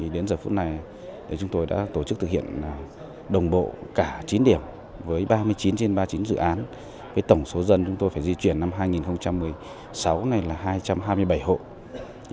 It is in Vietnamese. đến giờ phút này chúng tôi đã tổ chức thực hiện đồng bộ cả chín điểm với ba mươi chín trên ba mươi chín dự án với tổng số dân chúng tôi phải di chuyển năm hai nghìn một mươi sáu này là hai trăm hai mươi bảy hộ